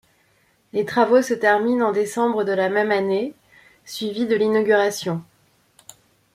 Les travaux se terminent en décembre de la même année, suivis de l’inauguration.